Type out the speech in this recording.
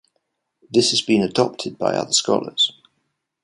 This has been adopted by other scholars.